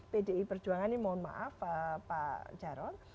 pdi perjuangan ini mohon maaf pak jarod